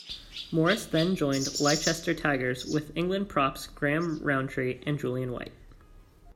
Morris then joined Leicester Tigers with England props Graham Rowntree and Julian White.